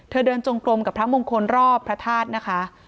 เดินจงกลมกับพระมงคลรอบพระธาตุนะคะ